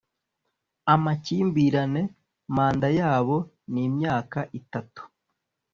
amakimbirane manda yabo ni imyaka itatu